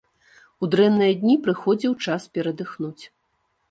У дрэнныя дні прыходзіў час перадыхнуць.